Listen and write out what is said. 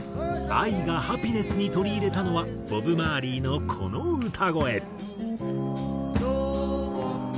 ＡＩが『ハピネス』に取り入れたのはボブ・マーリーのこの歌声。